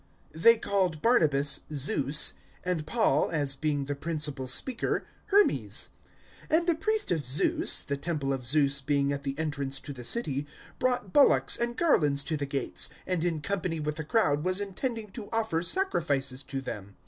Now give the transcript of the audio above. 014:012 They called Barnabas `Zeus,' and Paul, as being the principal speaker, `Hermes.' 014:013 And the priest of Zeus the temple of Zeus being at the entrance to the city brought bullocks and garlands to the gates, and in company with the crowd was intending to offer sacrifices to them.